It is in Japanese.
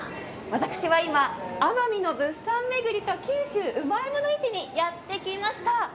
私は今、「奄美の物産めぐりと九州うまいもの市」にやってきました。